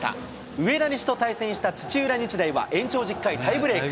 上田西と対戦した土浦日大は、延長１０回、タイブレーク。